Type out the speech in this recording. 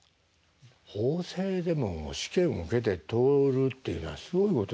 法政でも試験受けて通るっていうのはすごいことですよ。